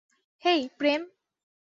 হেই, প্রেম।